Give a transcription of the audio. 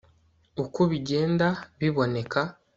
uko bigenda biboneka